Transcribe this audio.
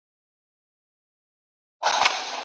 لنډۍ په غزل کي، اتمه برخه